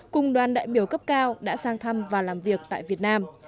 cùng đoàn đại biểu cấp cao đã sang thăm và làm việc tại việt nam